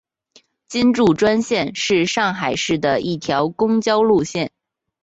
金祝专线是上海市的一条公交路线。